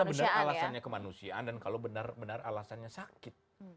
benar alasannya kemanusiaan dan kalau benar benar alasannya sakit